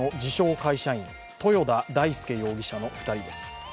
会社員豊田大輔容疑者の２人です。